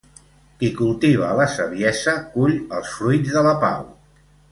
Qui cultiva la saviesa, cull els fruits de la pau.